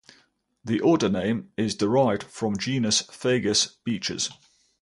The order name is derived from genus "Fagus", beeches.